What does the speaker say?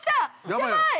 やばい！